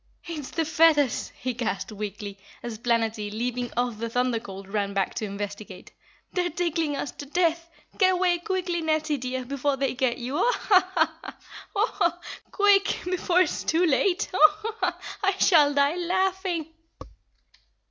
"It's the feathers!" he gasped weakly, as Planetty, leaping off the Thunder Colt, ran back to investigate. "They're tickling us to death. Get away quickly, Netty, dear, before they get you Oh, ha, ha, HAH! Oh, ho, ho! Quick! Before it is too late. Oh, hi, hi, hi! I shall die laughing!"